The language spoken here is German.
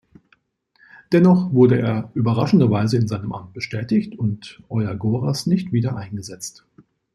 Dennoch wurde er überraschenderweise in seinem Amt bestätigt und Euagoras nicht wieder eingesetzt.